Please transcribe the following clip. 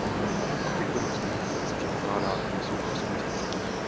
O těchto množstvích se předpokládá, že jsou pro osobní spotřebu.